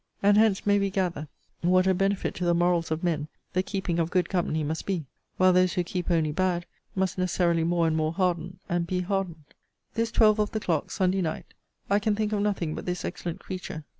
And hence may we gather what a benefit to the morals of men the keeping of good company must be; while those who keep only bad, must necessarily more and more harden, and be hardened. 'Tis twelve of the clock, Sunday night I can think of nothing but this excellent creature.